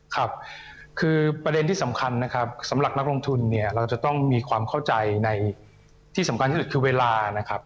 ครับคือประเด็นที่สำคัญนะครับสำหรับนักลงทุนเนี่ยเราจะต้องมีความเข้าใจในที่สำคัญที่สุดคือเวลานะครับ